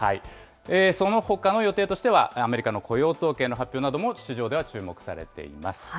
そのほかの予定としては、アメリカの雇用統計の発表なども市場では注目されています。